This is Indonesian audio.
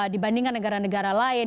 dibandingkan negara negara lain